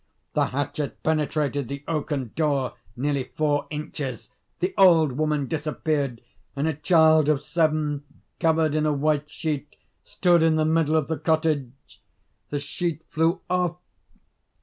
The hatchet penetrated the oaken door nearly four inches. The old woman disappeared; and a child of seven, covered in a white sheet, stood in the middle of the cottage.... The sheet flew off.